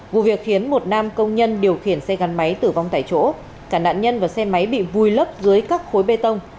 vụ việc khiến một nam công nhân điều khiển xe gắn máy tử vong tại chỗ cả nạn nhân và xe máy bị vùi lấp dưới các khối bê tông